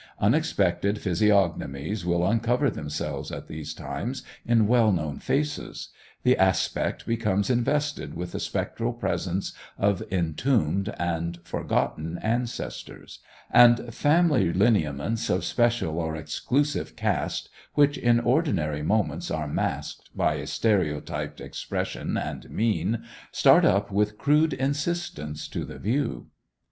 Unexpected physiognomies will uncover themselves at these times in well known faces; the aspect becomes invested with the spectral presence of entombed and forgotten ancestors; and family lineaments of special or exclusive cast, which in ordinary moments are masked by a stereotyped expression and mien, start up with crude insistence to the view.